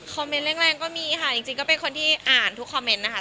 เมนต์แรงก็มีค่ะจริงก็เป็นคนที่อ่านทุกคอมเมนต์นะคะ